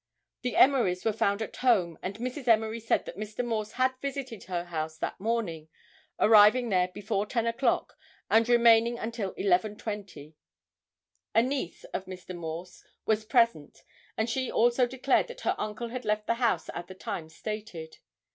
The Emery's were found at home and Mrs. Emery said that Mr. Morse had visited her house that morning, arriving there before 10 o'clock and remaining until 11:20. A niece of Mr. Morse was present and she also declared that her uncle had left the house at the time stated.